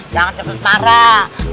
jangan cepet marah